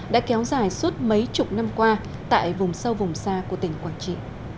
đã kéo dài suốt mấy chục năm qua tại vùng sâu vùng xa của tỉnh quảng trị